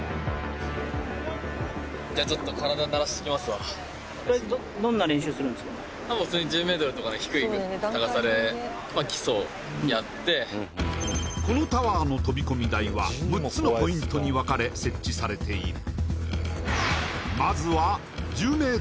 わぁこのタワーの飛び込み台は６つのポイントに分かれ設置されている